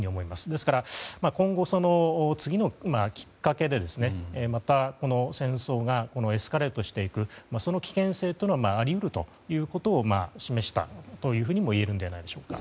ですから、今後次のきっかけというかまた戦争がエスカレートしていくその危険性はあり得ると示したともいえるのではないでしょうか。